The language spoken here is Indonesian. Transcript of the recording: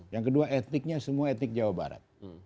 yang kedua etniknya semua etnik jawa barat